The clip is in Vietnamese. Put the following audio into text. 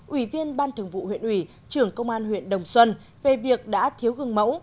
ủy viên ban thường vụ huyện ủy trưởng công an huyện đồng xuân về việc đã thiếu gương mẫu